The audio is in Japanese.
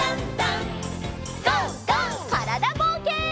からだぼうけん。